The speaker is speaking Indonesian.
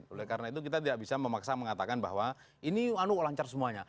oleh karena itu kita tidak bisa memaksa mengatakan bahwa ini lancar semuanya